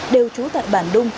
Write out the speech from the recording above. đều chụp chân vào đường